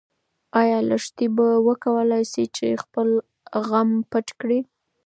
ايا لښتې به وکولی شي چې خپل غم پټ کړي؟